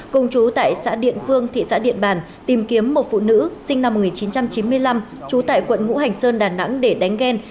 cùng chú tại xã điện phương thị xã điện bàn tìm kiếm một phụ nữ sinh năm một nghìn chín trăm chín mươi năm trú tại quận ngũ hành sơn đà nẵng để đánh ghen